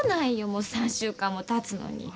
もう３週間もたつのに。